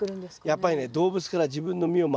やっぱりね動物から自分の身を守るためですね。